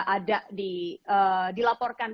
ada di dilaporkan